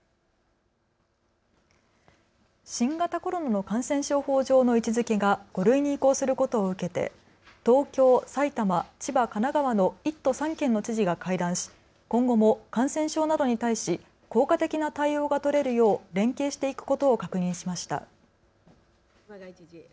新型コロナの感染症法上の位置づけが５類に移行することを受けて東京、埼玉、千葉、神奈川の１都３県の知事が会談し今後も感染症などに対し効果的な対応が取れるよう連携していくことを確認しました。